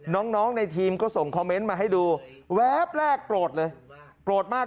น้องในทีมก็ส่งคอมเมนต์มาให้ดูแวบแรกโกรธเลยโกรธมาก